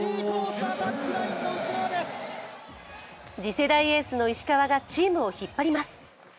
次世代エースの石川がチームを引っ張ります。